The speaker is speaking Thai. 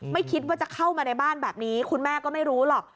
ไม่คิดว่าจะเข้ามาในบ้านแบบนี้คุณแม่ก็ไม่รู้หรอก